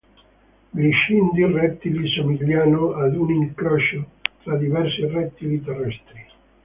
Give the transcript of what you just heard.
Gli Xindi rettili somigliano ad un incrocio tra diversi rettili terrestri.